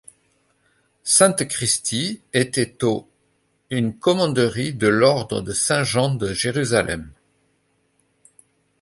Sainte-Christie était au une commanderie de l'ordre de Saint-Jean de Jérusalem.